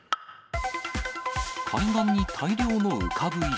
海岸に大量の浮かぶ石。